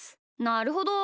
なるほど。